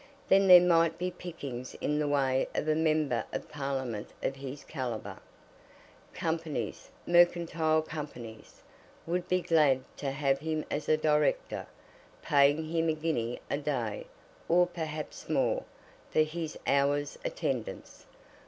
Then there might be pickings in the way of a Member of Parliament of his calibre. Companies, mercantile companies, would be glad to have him as a director, paying him a guinea a day, or perhaps more, for his hour's attendance.